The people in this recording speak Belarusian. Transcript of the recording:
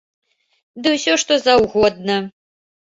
Ды ўсё што заўгодна!